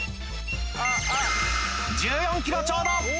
１４ｋｍちょうど！